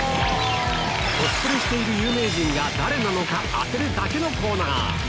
コスプレしている有名人が誰なのか当てるだけのコーナー